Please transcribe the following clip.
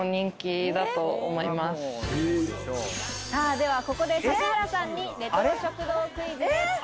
では、ここで指原さんにレトロ食堂クイズです。